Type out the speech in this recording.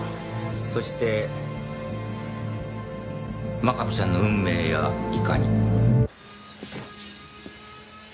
そして真壁ちゃんの運命やいかに。